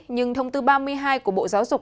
nhưng thông tư ba mươi hai của bộ giáo dục